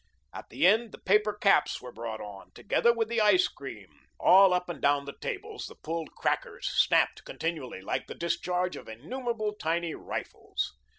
At the end the paper caps were brought on, together with the ice cream. All up and down the tables the pulled "crackers" snapped continually like the discharge of innumerable tiny rifles.